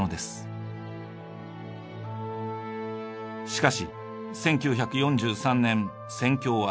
しかし１９４３年戦況は悪化。